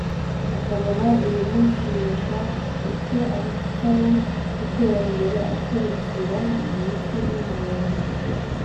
akabona ibimushimisha uko arushaho gutera imbere, akurira mu mico no mu buntu